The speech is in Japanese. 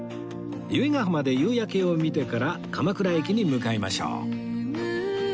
由比ガ浜で夕焼けを見てから鎌倉駅に向かいましょう